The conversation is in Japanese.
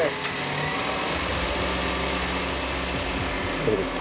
どうですか？